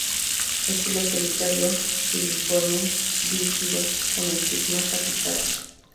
Estilo solitario, filiforme, bífido, con estigma capitado.